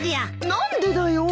何でだよ。